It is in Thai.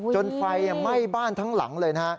จนไฟไหม้บ้านทั้งหลังเลยนะฮะ